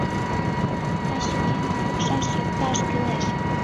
— Васюкемым пукшаш-йӱкташ кӱлеш!